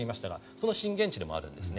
その震源地でもあります。